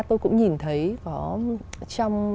tôi cũng nhìn thấy có trong